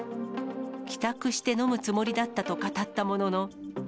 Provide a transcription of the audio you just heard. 帰宅して飲むつもりだったと語ったものの。